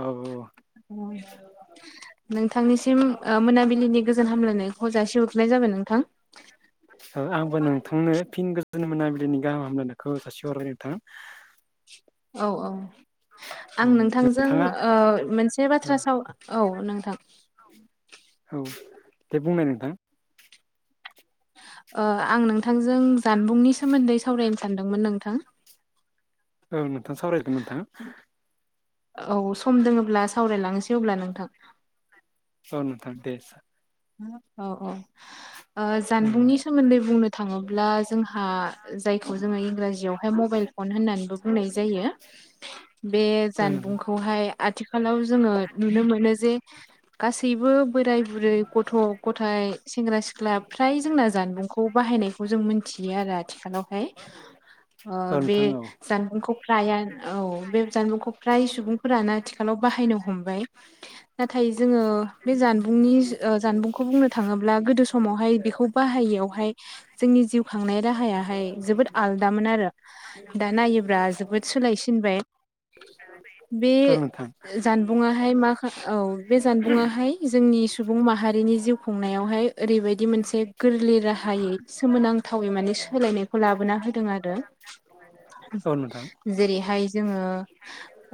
औ औ। नोंथांनिसिम आ मोनाबिलिनि गोजोन हामलायनायखौ जासिहरग्रोनाय जाबाय नोंथां। ओ आंबो नोंथांनो फिन गोजोन मोनाबिलिनि गाहाम हामलायनायखौ जाासि हरबाय नोंथां। औ औ। औ आं नोंथांजों नोंथाङा औ ओ मोनसे बाथ्रा साव औ नोंथां। औ दे बुंनाय नोंथां। ओ आं नोंथांजों जानबुंनि सोमोन्दै सावरायनो सानदोंमोन नोंथां। औ नोंथां सावरायजागोन नोंथां। औ सम दोङोब्ला सावरायलांनोसै अब्ला नोंथां। औ नोंथां दे। औ औ। ओ जानबुंनि सोमोन्दै बुंनो थाङोब्ला जोंहा जायखौ जोङो इंराजियावहाय मबाइल फन होननानैबो बुंनाय जायो। [inaudible] बे औ नोंथां जानबुंखौ खौहाय आथिखालाव जोङो नुनो मोनो जे गासैबो बोराय बुरै गथ' गथायाइ सेंग्रा सिख्ला फ्राय जोंना जानबुंखौ बाहायनायखौ जों मिनथियो आरो आथिखालावहाय। ओ औ बे नोंथां औ जानबुंखौ फ्राया औ बे जानबुंखौ फ्राय सुबुंफोरानो आथिखालाव बाहायनो हमबाय नाथाय जोङो बे जानबुंनि ओ जानबुंखौ बुंनो थाङोब्ला गोदो समावहाय बेखौ बाहायैयावहाय जोंनि जिउ खांनाय राहायाहाय जोबोद आलदामोन आरो। दा नायोब्ला जोबोद सोलायसिनबाय। बे औ नोंथां जानबुङाहाय माखा औ बे जानबुङाहाय जोंनि सुबुं माहारिनि जिउ खुंनायावहाय ओरैबायदि मोनसे गोरलै राहायै सोमोनांथावै माने सोलायनायखौ लाबोना होदों आरो। औ नोंथां जेरैहाय जोङो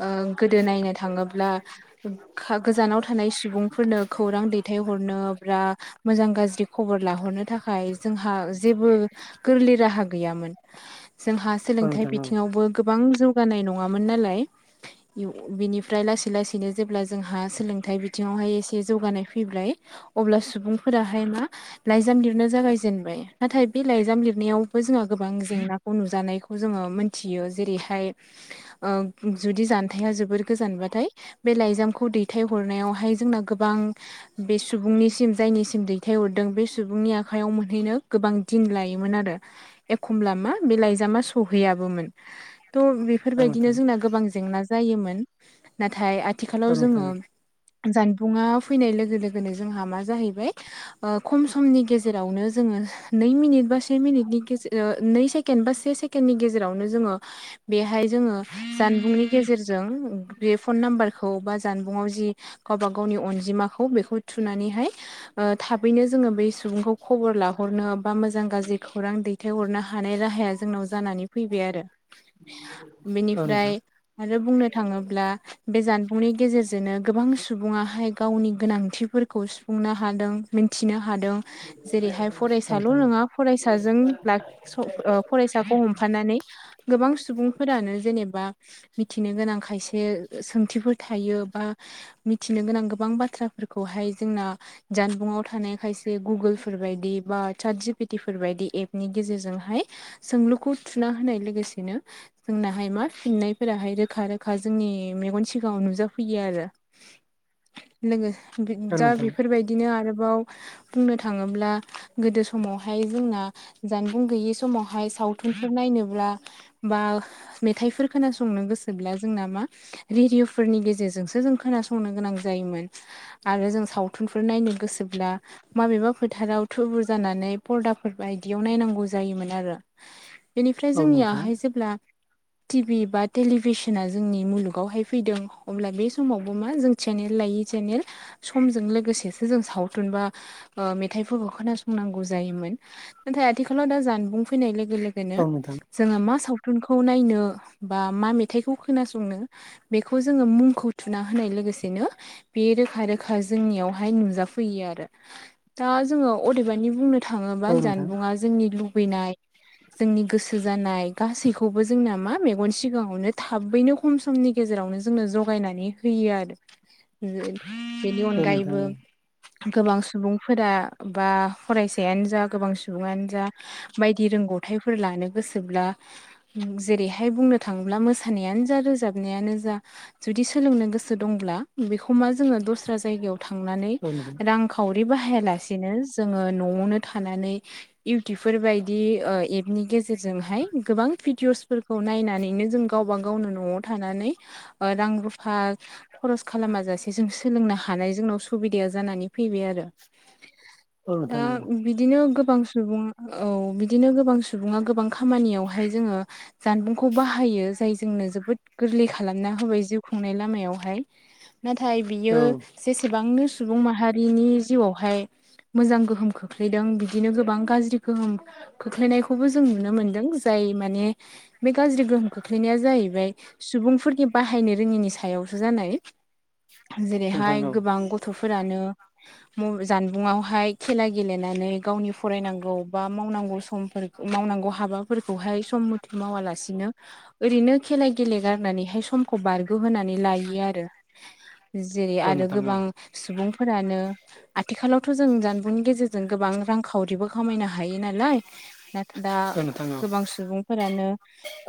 ओ गोदो नायनो थाङोब्ला खा गोजानाव थानाय सुबुंफोरनो खौरां दै थायहरनो बा मोजां गाज्रि खबर लाहरनो थाखाय जोंहा जेबो गोरलै राहा गैयामोन जोंहा औ सोलोंथाइ नोंथां औ बिथिङावबो गोबां जौगानाय नङामोन नालाय। बिनिफ्राय लासै लासैनो जेब्ला जोंहा सोलोंथाइ बिथिङावहाय एसे जौगानाय फै फैबाय अब्ला सुबुंफोराहाय मा लाइजाम लिरनो जागायजेनबाय नाथाय बे लाइजाम लिरनायावबो जोंहा गोबां जेंना खौ नुजानायखौ जोङो मोनथियो। जेरैहाय जुदि जानथाया जोबोर गोजानबाथाय बे लाइजामखौ दैथायहरनायावहाय जोंना गोबां बे सुबुं निसिम जायनिसिम दैथायहरदों बे सुबुंनि आखाइयाव मोनहैनो गोबां दिन लायोमोन आरो एखमब्ला मा बे लाइजामा सौहैयाबोमोन। थ' बे औ फोरबायदिनो नोंथां जोंना गोबां जेंना जायोमोन। नाथाय औ नोंथां औ नोंथां औ नोंथां औ आथिखालाव नोंथां जोङो जानबुंङा फैनाय लोगो लोगोनो जोंहा मा जाहैबाय ओ खम समनि गेजेरावनो जोङो नै मिनिट बा से मिनिटनि गेजे नै सेकेण्ड बा से केण्डनि गेजेरावनो जोङो बेहाय जोङो जानबुंनि गेजेरजों बे फन नाम्बारखौ बा जानबुंआव जि गावबा गावनि अनजिमाखौ बेखौ थुनानैहाय थाबैनो जोङो बै सुबुंखौ खबर लाहरनो बा मोजां गाज्रि खौरां दै दैथाइहरनो हानाय राहाया जोंनाव जानानै फैबाय आरो बेनिफ्राय आरो बुंनो थाङोब्ला बे जानबुंनि गेजेरजोंनो गोबां सुबुङाहाय गावनि गोनांथिफोरखौ सुफुंनो हादों मिथिनो हादों जेरैहाय फरायसाल' नङा फरायसाजों ला फरायसाखौ हमफानानै गोबां सुबुंफोरानो जेनेबा मिथिनो गोनां खायसे सोंथिफोर थायो बा मिथिनो गोनां गोबां बाथ्राफोरखौहाय जोंना जानबुंआव थानाय खायसे गुगोलफोर बायदि बा चाट जिपिटिफोर बायदि एपनि गेजेरजोंहाय सोंलुखौ थुना होनाय लोगोसेनो जोंनाहाय मा फिननायफोराहाय रोखा रोखा जोंनि मेगन सिगाङाव नुजाफैयो आरो दा बेफोरबायदिनो आरोबाव बुंनो थाङोब्ला गोदो समावहाय जोंना जानबुं गैयि समावहाय सावथुनफोर नायनोब्ला बा मेथाइफोर खोनासंनो गोसोब्ला जोंना मा रेडिअ'फोरनि गेजेरजोंसो जों खोनासंनो गोनां जायोमोन आरो जों सावथुनफोर नायनो गोसोब्ला माबेबा फोथाराव थुबुर जानानै परदाफोर बायदियाव नायनांगौ जायोमोन आरो बेनिफ्राय जोंनियाहाय जेब्ला टिभि बा टेलिभिसना जोंनि मुलुगावहाय फैदों अब्ला बे समावबो मा जों चेनेल लायै सेनेल समजों लोगोसेसो जों सावथुनबा ओ मेथाइफोरखौ खोनासंनांगौ जायोमोन नाथाय आथिखालाव दा जानबुं फैनाय लोगो लोगो बेनो औ नोंथां जोङो मा सावथुनखौ नायनो बा मा मेथाइखौ खोनासंनो बेखौ जोङो मुंखौ थुना होनाय लोगोसे बिनो बे रोखा रोखा जोंनियावहाय नुजाफैयो आरो दा जोङो अदेबानि बुंनो थाङोबा जानबुंङा जोंनि लुबैनाय जोंनि गोसो जानाय गासैखौबो जोंना मा मेगन सिगाङावनो थाबैनो खम समनि गेजेरावनो जोंनो जगायनानै होयो आरो [unintelligible] बेनि औ नोंथां औ नोंथां अनगायैबो गोबां सुबुंफोरा बा फरायसायानो जा गोबां सुबुङानो जा बायदि रोंगौथाइफोर लानो गोसोब्ला उम जेरैहाय बुंनो थाङोब्ला मोसानायानो जा रोजाबनायानो जा जुदि सोलोंनो गोसो दंब्ला बेखौ मा जोङो दस्रा जायगायाव थांनानै रांखा खावरि बाहायालासेनो जोङो न'आवनो थानानै इउटुबफोर बायदि ओ एपनि गेजेरजोंहाय गोबां भिडिअसफोर खौ नायनानैनो जों गावबा गावनो न'आव थानानै ओ रां रुफा खरस खालामाजासे जों सोलोंनो हानाय जोंनाव सुबिदाया जानानै फैबाय आरो औ नोंथां औ नोंथां औ दा बिदिनो गोबां सुबुं औ बिदिनो गोबां सुबुङा गोबां खामानियावहाय जोङो जानबुंखौ बाहायो जाय जोंनो जोबोद गोरलै खालामना होबाय जिउ खुंनाय लामायावहाय नाथाय बियो जेसेबांनो सुबुं माहारिनि जिउआवहाय मोजां गोहोम खोख्लैदों बिदिनो गोबां गाज्रि गोहोम खोख्लैनायखौबो जों नुनो मोनदों जाय माने बे गाज्रि गोहोम खोख्लैनाया जाहैबाय सुबुंफोरनि बाहायनो रोङिनि सायावसो जानाय जेरैहाय गोबां गथ थ'फोरानो जानबुंआवहाय खेला गेलेनानै गावनि फरायनांगौ बा मावनांगौ समफोर मावनांगौ हाबाफोरखौहाय सम मथे मावालासिनो ओरैनो खेला गेले गारनानैहाय सम खौ बारग'होनानै लायो आरो जेरै आरो नोंथां गोबां सुबुंफोरानो आथिखालावथ' जों जानबुंनि गेजेरजों गोबां रांखावरिबो खामायनो हायो नालाय। ना दा गोबां सुबुंफोरानो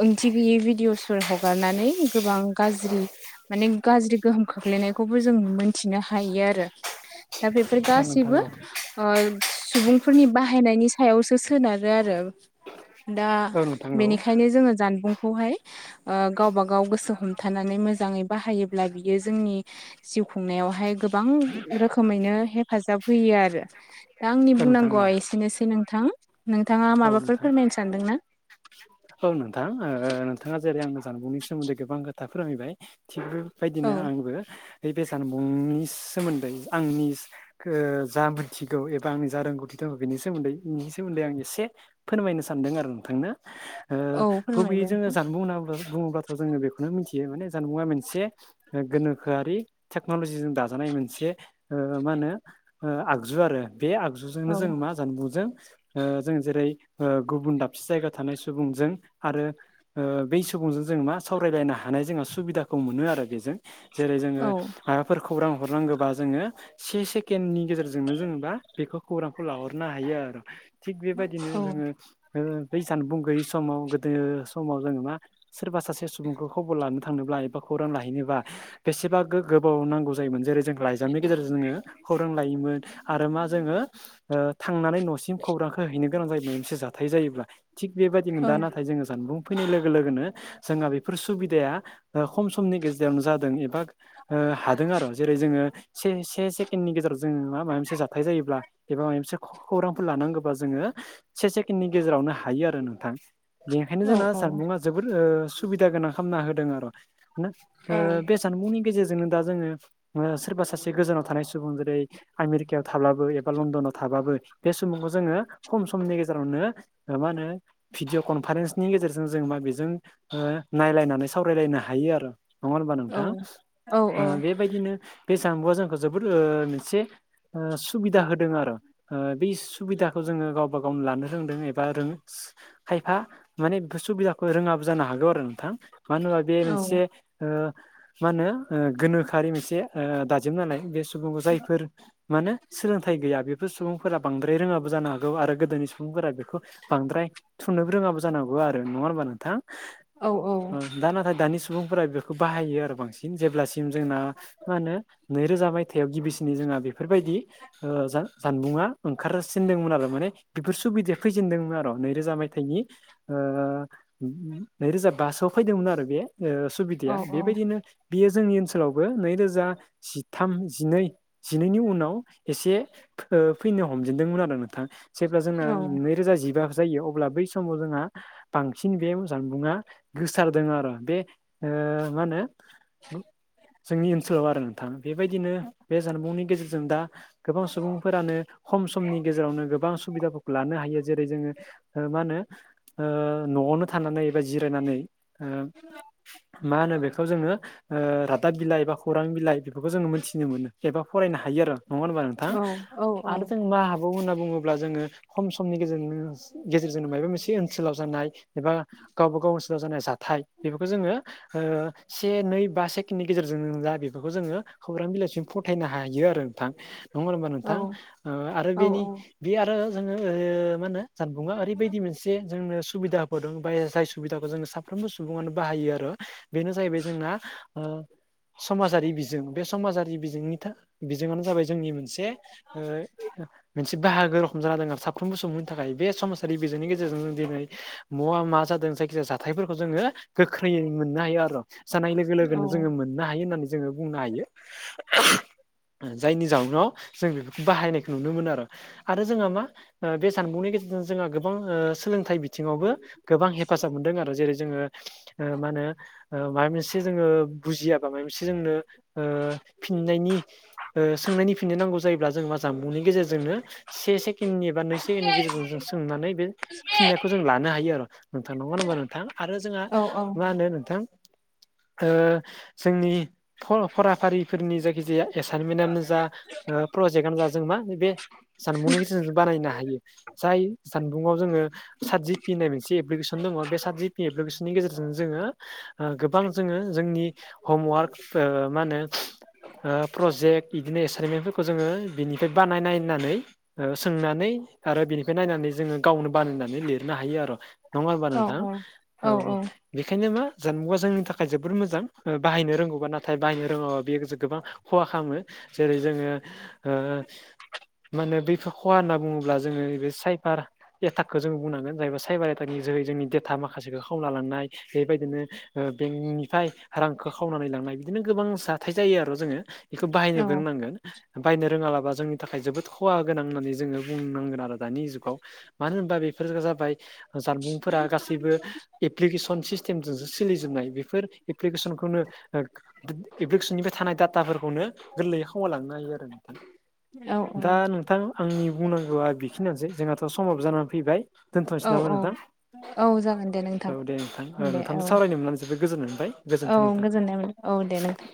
ओंथि गैयै भिडिअ'सफोर हगारनानै गोबां गाज्रि माने गाज्रि गोहोम खोख्लैनायखौबो जों मोनथिनो हायो आरो। दा बेफोर गासैबो औ नोंथां औ नोंथां औ नोंथां औ नोंथां औ ओ सुबुंफोरनि बाहायनायनि सायावसो सोनारो आरो। दा औ नोंथां औ बेनिखायनो जोङो जानबुंखौहाय ओ गावबा गाव गोसो हमथानानै मोजाङै बाहायोब्ला बियो जोंनि जिउ खुंनायावहाय गोबां रोखोमैनो हेफाजाब होयो आरो। दा आंनि औ नोंथां बुंनांगौआ औ एसेनोसै नोंथां नोंथाङा औ माबाफोर नोंथां फोरमायनो सानदों ना? औ नोंथां ओ नोंथाङा जेरै आंनो जानबुंनि सोमोन्दै गोबां खोथा फोरमायबाय थिग बे औ बायदिनो आंबो बे जानबुंनि सोमोन्दै आंनि ओ जा मोनथिगौ एबा आंनि जा रोंगौथि दं बेनि सोमोन्दै बिनि सोमोन्दै आं एसे फोरमायनो सानदों आरो नोंथांनो। ओ औ गुबैयै फोरमायदों जोङो जानबुं होनना बुंब्ला बुङोब्ला थ' जोङो बेखौनो मिथियो माने जानबुंआ मोनसे गोनोखोआरि टेक्न'लजिजों दाजानाय मोनसे ओ मा होनो ओ आगजु आरो बे आगजुजोंनो औ जों मा जानबुंजों ओ जों जेरै ओ गुबुन दाबसे जायगायाव थानाय सुबुंजों आरो ओ बै सुबुंजों जों मा सावरायलायनो हानाय जोंहा सुबिदाखौ मोनो आरो बेजों। जेरै जोङो औ माबाफोर खौरां हरनांगोबा जोङो से सेकेण्डनि गेजेरजोंनो जेनबा बेखौ खौरांखौ लाहरनो हायो आरो। थिग बेबादिनो औ जोङो बै जानबुं गैयि समाव, गोदो समाव जोङो मा सोरबा सासे सुबुंखौ खबर लानो थांनोब्ला एबा खौरां लाहैनोब्ला बेसेबा गो-गोबाव नांगौ जायोमोन जेरै जों लाइजामनि गेजेरजों जोङो खौरां लायोमोन। आरो मा जोङो ओ थांनानै न'सिम खौरांखो हैनो गोनां जायोब्ला मोनसे जाथाय जायोब्ला। थिग बेबादिनो औ दा नाथाय जोङो जानबुं फैनाय लोगो लोगोनो जोंहा बेफोर सुबिदाया ओ खम समनि गेजेरावनो जादों एबा ओ हादों आरो जेरै जोङो से से सेकेडनि गेजेराव जों मा माबा मोनसे जाथाय जायोब्ला एबा माबा मोनसे खौरांफोर लानांगोबा जोङो से सेकेणनि गेजेरावनो हायो आरो नोंथां बेनिखायनो औ जोंना औ जानबुंआ जोबोद ओ सुबिदा गोनां खामना होदों आरो ना ओ बे जानबुंनि गेजेरजोंनो दा जोङो सोरबा सासे गोजानाव थानाय सुबुं जेरै आमेरिकायाव थाब्लाबो एबा लण्डनाव थाबाबो बे समखौ जोङो खम समनि गेजेरावनो ओ मा होनो भिडिअ' कनफारेन्स नि गेजेरजों जों मा बेजों ओ नायलायनानै सावरायलायनो हायो आरो। नङा होमबा औ नोंथां? औ बेबायदिनो बे जानबुआ जोंखौ जोबोद ओ मोनसे ओ सुबिदा होदों आरो ओ बे सुबिदाखौ जोङो गावबा गावनो लानो रोंदों एबा रों खायफा माने सुबिदाखौ रोङाबो जानो हागौ आरो नोंथां मानो होनबा बे मोनसे औ ओ मा होनो ओ गोनोखोआरि मोनसे ओ दाजेम नालाय बे सुबुं जायफोर माने सोलोंथाइ गैया बेफोर सुबुंफोरा बांद्राय रोङाबो जानो हागौ। गौ आरो गोदोनि सुबुंफोरा बेखौ बांद्राय थुनोबो रोङाबो जानांगौ आरो नङा होमबा नोंथां? औ औ। दा नाथाय दानि सुबुंफोरा बेखौ बाहायो आरो बांसिन। जेब्लासिम जोंना मा होनो नैरोजा मायथाइयाव गिबिसिनै जोंहा बेफोरबायदि ओ जा-जानबुङा ओंखारसिनदोंमोन आरो माने बेफोर सुबिदाया फैजेनदोंमोन आरो नैरोजा मायथाइनि ओ नैरोजा बासोआव फैदोंमोन आरो बे ओ सुबिदाया औ औ बेबायदिनो बेयो जोंनि ओनसोलावबो नैरोजा जिथाम जिनै जिनैनि उनाव एसे फो फैनो हमजेनदोंमोन आरो नोंथां। जेब्ला जोंना औ नैरोजा जिबा जायो अब्ला बै समाव जोंहा बांसिन बे जानबुंङा गोसारदों आरो बे ओ मा होनो जोंनि ओनसोलाव आरो नोंथां बेबायदिनो बे जानबुंनि गेजेरजों दा गोबां सुबुंफोरानो खम समनि गेजेरावनो गोबां सुबिदाफोरखौ लानो हायो जेरै जोङो ओ मा होनो ओ न'आवनो थानानै एबा जिरायनानै ओ मा होनो बेखौ जोङो ओ रादाब बिलाइ एबा खौरां बिलाइ बेफोरखौ जोङो मोनथिनो मोनो एबा फरायनो हायो आरो नङा होनबा नोंथां? औ औ औ आरो जों मा हाबावो होनना बुङो अब्ला जोङो खम समनि गेजेरजोंनो गेजेरजोंनो मायबा मोनसे ओनसोलाव जानाय एबा गावबा गाव ओनसोलाव जानाय जाथाय बेफोरखौ जोङो ओ से नै बा सेकेननि गेजेरजों जा बेफोरखौ जोङो खौरां बिलाइसिम फथायनो हायो आरो नोंथां। नंग होमबा औ नोंथां ओ आरो औ बेनि बे आरो जोङो ओ मा होनो जानबुङा ओरैबायदि मोनसे जोंनो सुबिदा हरदों बाय जाय सुबिदाखौ जोङो साफ्रोमबो सुबुङानो बाहायो आरो बेनो जाहैबाय जोंना ओ समाजारि बिजों बे समाजारि बिजोंनि था-बिजोंआनो जाबाय जोंनि मोनसे बे ओ मोनसे बाहागो रखम जाना दोङो साफ्रोमबो सुबुंनि थाखाय बे सम बे बिजोंनि गेजेरजों जों दिनै महा मा जादों जायखि जाया जाथायफोरखौ जोङो गोख्रैयै मोननो हायो आर' जानाय लोगो औ लोगोनो जोङो मोननो हायो होननानै जोङो बुंनो हायो। जायनि जाउनाव जों बेफोरखौ बाहायनायखौ नुनो मोनो आरो। आरो जोंहा मा ओ बे जानबुंनि गेजेरजों जोंहा गोबां ओ सोलोंथाइ बिथिङावबो गोबां हेफाजाब मोनदों आरो जेरै जोङो ओ मा होनो ओ माबा मोनसे जोङो बुजियाबा माबा मोनसे जोंनो ओ फिननायनि ओ सोंनायनि फिननो नांगौ जायोब्ला जों मा जांनबुंनि गेजेरजोंनो से सेकेण्डनि एबा नै सेकेण्डनि गेजेरजों जों सोंनानै बे फिननायखौ जों लानो हायो आर'। नोंथां नङा होनोमबा नोंथां आरो जोंहा औ मा होनो नोंथां ओ जोंनि फ-फराफारिफोरनि जायखिजाया एसाइनमेन्टआनो जा ओ प्रजेक्टआनो जा जों मा बे जानबुंनि गेजेरजों बानायनो हायो। जाय जानबुंआव जोङो सात जिपि होननाय मोनसे एप्लिकेसन दङ बे सात जिपि एप्लिकेसन नि गेजेरजों जोङो ओ गोबां जोङो जोंनि हमवार्क ओ मा होनो ओ प्रजेक्ट इदिनो एसाइनमेन्टफोरखौ जोङो बिनिफ्राय बानायनाय नायनानै ओ सोंनानै आरो बिनिफ्राय नायनानै जोङो गावनो बानायना नै लिरनो हायो आर' नङा होनबा औ नोंथां औ ओ। बेखायनो मा जानबुंआ जोंनि थाखाय जोबोर मोजां बाहायनो रोंगौबा नाथाय बाहायनो रोङाबा बेयो गोबां खहा खामो जेरै जोङो ओ मा होनो बैफोर खहा होनना बुङोब्ला जोङो ऐबे साइफार एटाकखौ जोङो बुंनांगोन जायबा साइबार एटाकनि जोहै जोंनि डेटा माखासेखौ खावना लांनाय बेबायदिनो ओ बेंकनिफ्राय रांखो खावनानै लांनाय बिदिनो गोबां जाथाय जायो आरो जोङो। इखो बाहायनो औ रोंनांगोन बायनो रोङालाबा जोंनि थाखाय जोबोद खहा गोनां होननानै जोङो बुंनांगोन आरो दानि जुगाव मानो होनबा बेफोर जाबाय जानबुंफोरा गासैबो एप्लिकेसन सिस्टेमजोंसो सोलिजोबनाय बेफोर एप्लिकेसनखौनो एप्लिकेसननिफ्राय थानाय डाटाफोरखौनो गोरलैयै खावना लांनो हायो आरो नोंथां। दा नोंथां आंनि बुंनांगौआ बिखिनियानोसै जोंहाथ' समाबो जाना फैबाय। दोनथ'नोसै औ औ नामा औ नोंथां? औ जागोन दे नोंथां औ दे नोंथां औ नोंथांजों सावरायनो मोननानै जोबोद गोजोननाय मोनबाय औ गोजोनथों नोंथां। गोजोननाय मोन औ दे नोंथां।